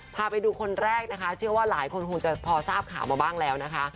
พาไปดูคนแรกนะคะเชื่อว่าหลายคนคงจะพอทราบข่าวมาบ้างแล้วนะคะ